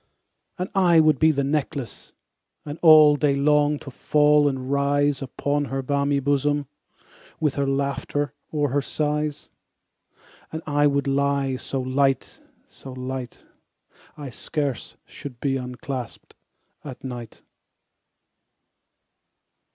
And I would be the necklace, And all day long to fall and rise Upon her balmy bosom, 15 With her laughter or her sighs: And I would lie so light, so light, I scarce should be unclasp'd at night.